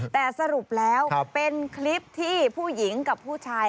แต่สรุปแล้วเป็นคลิปที่ผู้หญิงกับผู้ชาย